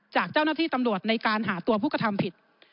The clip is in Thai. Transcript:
จากเจ้าหน้าที่ตำรวจในการหาตัวผู้กระทำผิด